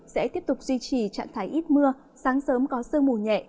sẽ tiếp tục duy trì trạng thái ít mưa sáng sớm có sương mù nhẹ